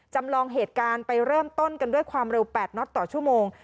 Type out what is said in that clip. จำลองเหตุการณ์ไปเริ่มต้นกันด้วยความเร็ว๘น็อตต่อชั่วโมง